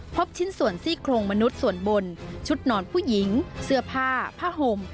ชิ้นส่วนซี่โครงมนุษย์ส่วนบนชุดนอนผู้หญิงเสื้อผ้าผ้าห่ม